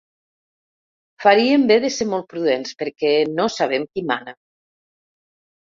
Faríem bé de ser molt prudents, perquè no sabem qui mana.